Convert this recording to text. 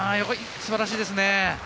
素晴らしいですね。